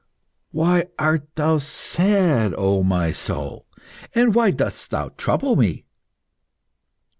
"Why art thou sad, O my soul, and why dost thou trouble me?"